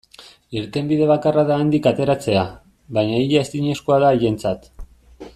Irtenbide bakarra da handik ateratzea, baina ia ezinezkoa da haientzat.